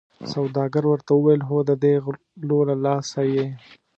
سوداګر ورته وویل هو ددې غلو له لاسه یې.